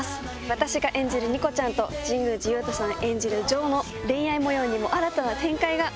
私が演じる仁子ちゃんと神宮寺勇太さん演じる城の恋愛模様にも新たな展開が！